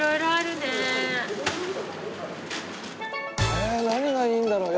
ええ何がいいんだろう？